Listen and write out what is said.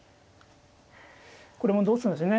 これもどうするんですかね。